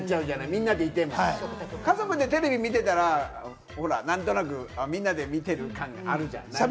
みんなでいても家族でテレビ見てたら、何となくみんなで見てる感があるじゃない。